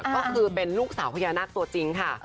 ก็คือเป็นลูกสาวพญานาคตัวจริงค่ะ